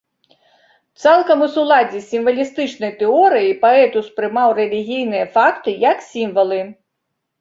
Цалкам у суладдзі з сімвалістычнай тэорыяй паэт успрымаў рэлігійныя факты як сімвалы.